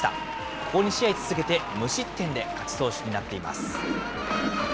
ここ２試合続けて、無失点で勝ち投手になっています。